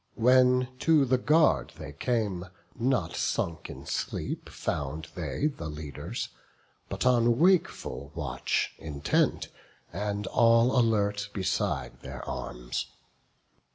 When to the guard they came, not sunk in sleep Found they the leaders; but on wakeful watch Intent, and all alert beside their arms.